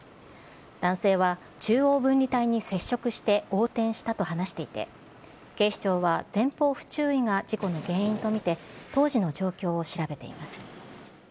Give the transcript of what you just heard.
男性は、中央分離帯に接触して横転したと話していて、警視庁は前方不注意が事故の原因と見て、当時の状況を調べています。